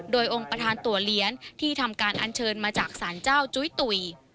โดยองค์ประธานตัวเลี้ยนที่ทำการอัญเชิญมาจากสารเจ้าจุ้ยตุ๋ย